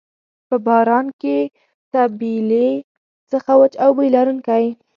په باران کې له طبیلې څخه وچ او بوی لرونکی.